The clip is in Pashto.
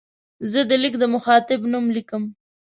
زه د لیک د مخاطب نوم لیکم.